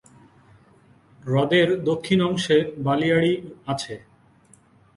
হ্রদের দক্ষিণ অংশে বালিয়াড়ি আছে।